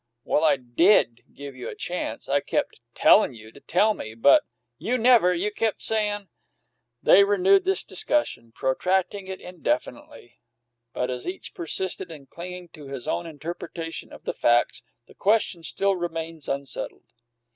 "Well, I did give you a chance. I kept tellin' you to tell me, but " "You never! You kept sayin' " They renewed this discussion, protracting it indefinitely; but as each persisted in clinging to his own interpretation of the facts, the question still remains unsettled.